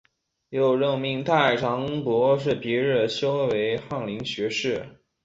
又任命太常博士皮日休为翰林学士。